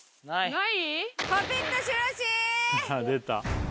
はい！